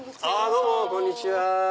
どうもこんにちは。